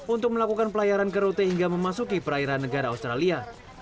untuk melakukan pelayaran kerute hingga memasuki perairan negara australia